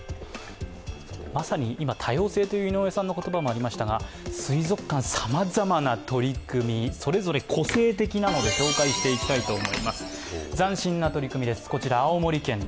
まさに今、多様性という言葉もありましたが水族館、さまざまな取り組みそれぞれ個性的なので紹介していきたいと思います。